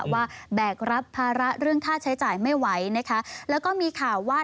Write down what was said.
ว่าแบกรับภาระเรื่องท่าใช้จ่ายไม่ไหวก็มีข่าวว่า